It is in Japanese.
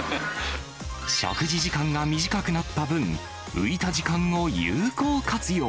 食事時間が短くなった分、浮いた時間を有効活用。